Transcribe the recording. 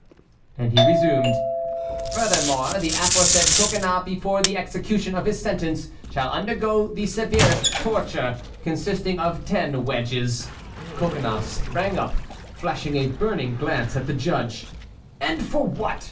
And he resumed: "Furthermore, the aforesaid Coconnas before the execution of his sentence shall undergo the severest torture, consisting of ten wedges"— Coconnas sprang up, flashing a burning glance at the judge. "And for what?"